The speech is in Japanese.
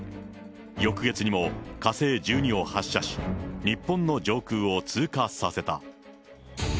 翌月にも火星１２を発射し、日本の上空を通過させた。